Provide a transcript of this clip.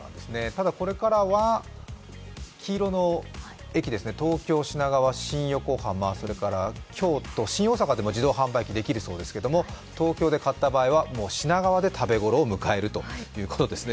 ただ、これからは黄色の駅、東京、品川、新横浜、それから京都、新大阪でも自動販売機できるそうですけど東京で買った場合はもう品川で食べ頃を迎えるということですね